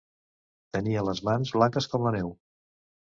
Tenia les mans blanques com la neu.